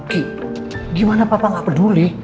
ki gimana papa gak peduli